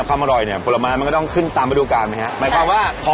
ขายแต่เนื้อค่ะพี่ต้อง